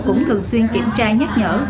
cũng thường xuyên kiểm tra nhắc nhở